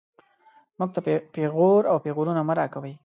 موږ ته پېغور او پېغورونه مه راکوئ